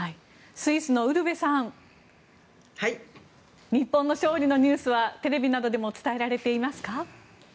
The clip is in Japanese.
スイスのウルヴェさん日本の勝利のニュースはテレビなどでも伝えられていますか？